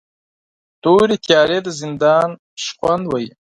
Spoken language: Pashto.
تورې تیارې د زندان شخوند وهي